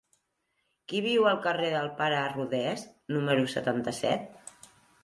Qui viu al carrer del Pare Rodés número setanta-set?